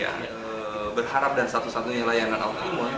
dia berharap dan satu satunya layanan autoimun